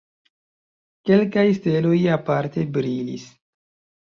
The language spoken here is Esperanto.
Kelkaj steloj aparte brilis.